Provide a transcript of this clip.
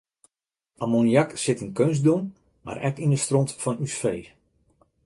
Ammoniak sit yn keunstdong, mar ek yn de stront fan ús fee.